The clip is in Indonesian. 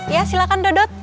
ya silahkan dodot